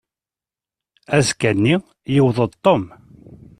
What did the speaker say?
Azekka-nni, yewweḍ-d Tom.